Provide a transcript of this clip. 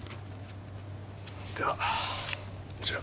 ではこちら。